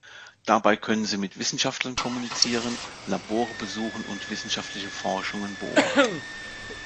Dabei können sie mit Wissenschaftlern kommunizieren, Labore besuchen und wissenschaftliche Forschungen beobachten.